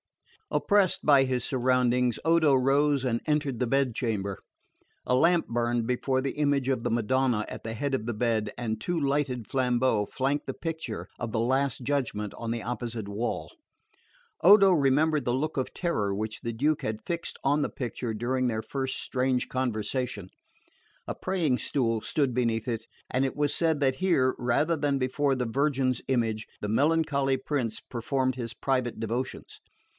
Oppressed by his surroundings, Odo rose and entered the bed chamber. A lamp burned before the image of the Madonna at the head of the bed, and two lighted flambeaux flanked the picture of the Last Judgment on the opposite wall. Odo remembered the look of terror which the Duke had fixed on the picture during their first strange conversation. A praying stool stood beneath it, and it was said that here, rather than before the Virgin's image, the melancholy prince performed his private devotions.